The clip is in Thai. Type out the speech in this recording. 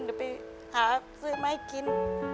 เดี๋ยวพาไปซื้อไม่กิน